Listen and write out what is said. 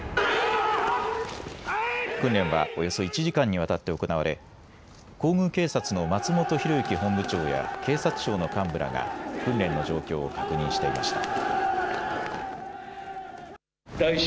訓練は、およそ１時間にわたって行われ皇宮警察の松本裕之本部長や警察庁の幹部らが訓練の状況を確認していました。